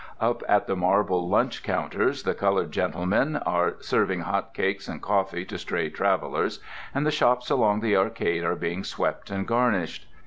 Up at the marble lunch counters the coloured gentlemen are serving hot cakes and coffee to stray travellers, and the shops along the Arcade are being swept and garnished.